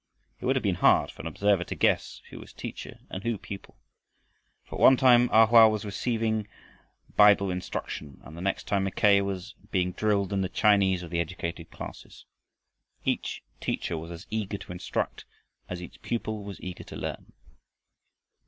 It would have been hard for an observer to guess who was teacher and who pupil. For at one time A Hoa was receiving Bible instruction and the next time Mackay was being drilled in the Chinese of the educated classes. Each teacher was as eager to instruct as each pupil was eager to learn.